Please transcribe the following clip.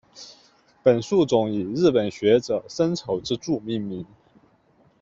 本树种以日本学者森丑之助命名。